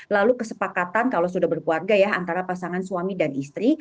lalu kesepakatan kalau sudah berkeluarga ya antara pasangan suami dan istri